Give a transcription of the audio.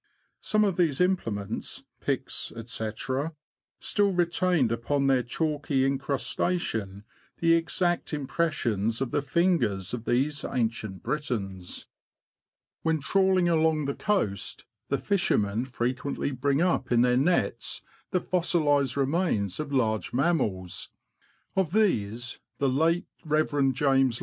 '' Some of these implements — picks, &c. — still retained upon their chalky incrus tation the exact impressions of the fingers of these Ancient Britons. When trawling along the coast, the fishermen fre quently bring up in their nets the fossilised remains of large mammals ; of these, the late Rev. Jas.